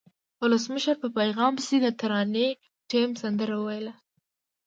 ولسمشر په پیغام پسې د ترانې ټیم سندره وویله.